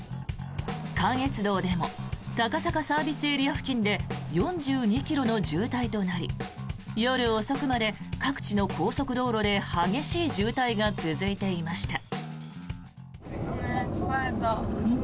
関越道でも高坂ＳＡ付近で４２ｋｍの渋滞となり夜遅くまで各地の高速道路で激しい渋滞が続いていました。